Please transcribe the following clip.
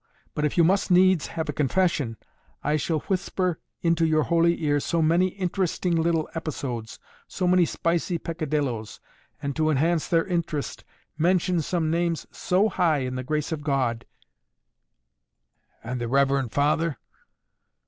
But if you must needs have a confession I shall whisper into your holy ear so many interesting little episodes, so many spicy peccadillos, and to enhance their interest mention some names so high in the grace of God '" "And the reverend father?"